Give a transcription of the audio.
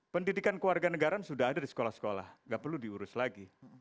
pendidikan keluarga negara sudah ada di sekolah sekolah gak perlu diurus lagi